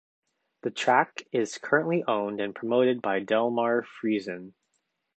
The track is currently owned and promoted by Delmar Friesen.